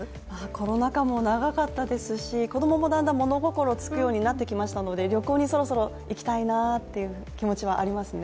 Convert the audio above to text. コロナ禍も長かったですし、子供もだんだん物心つくようになってきましたので旅行にそろそろ行きたいなっていう気持ちはありますね。